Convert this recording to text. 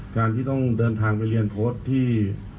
การที่ต้องเดินทางไปเรียนโค้ดที่